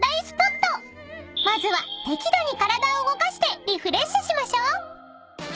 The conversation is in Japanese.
［まずは適度に体を動かしてリフレッシュしましょう］